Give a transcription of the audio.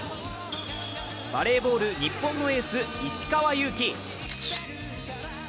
バレーボール、日本のエース・石川祐希。